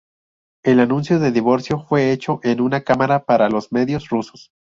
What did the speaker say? El anuncio de divorcio fue hecho en una cámara para los medios rusos.